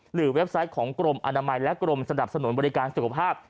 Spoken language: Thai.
เว็บไซต์ของกรมอนามัยและกรมสนับสนุนบริการสุขภาพ